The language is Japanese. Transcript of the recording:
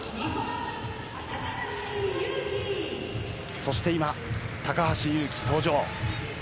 そして今、高橋侑希登場。